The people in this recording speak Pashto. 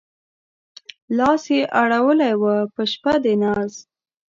لاس يې اړولی و په شپه د ناز